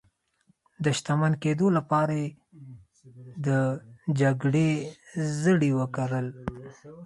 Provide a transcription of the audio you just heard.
د شتمن کېدو لپاره یې د جګړې زړي وکرل.